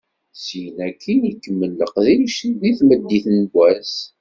Syin akkin ikemmel leqdic deg tmeddit n wass.